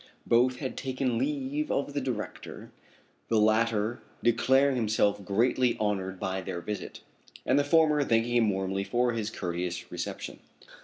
Both had taken leave of the director, the latter declaring himself greatly honored by their visit, and the former thanking him warmly for his courteous reception.